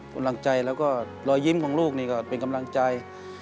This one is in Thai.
กำลังใจแล้วก็รอยยิ้มของลูกนี่ก็เป็นกำลังใจ